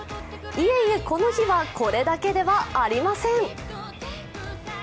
いえいえ、この日はこれだけではありません。